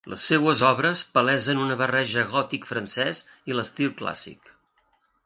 Les seues obres palesen una barreja gòtic francès i l'estil clàssic.